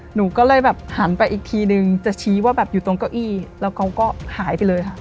หนูก็เลยแบบหันไปอีกทีนึงจะชี้ว่าแบบอยู่ตรงเก้าอี้แล้วเขาก็หายไปเลยค่ะ